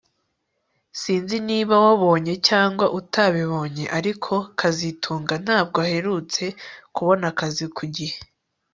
Sinzi niba wabonye cyangwa utabibonye ariko kazitunga ntabwo aherutse kubona akazi ku gihe